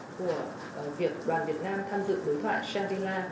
của việc đoàn việt nam tham dự đối thoại shangri la